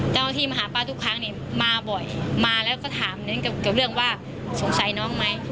เจ้าหน้าที่มาหาป้าทุกครั้งเนี่ยมาบ่อยมาแล้วก็ถามเน้นกับเรื่องว่าสงสัยน้องไหม